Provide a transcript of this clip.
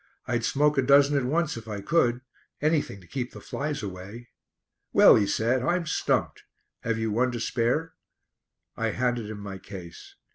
"I'd smoke a dozen at once if I could. Anything to keep the flies away." "Well," he said, "I'm stumped. Have you one to spare?" I handed him my case.